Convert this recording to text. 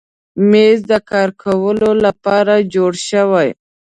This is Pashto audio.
مېز د کار کولو لپاره جوړ شوی.